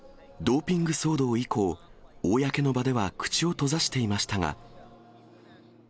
ドーピング騒動以降、公の場では口を閉ざしていましたが。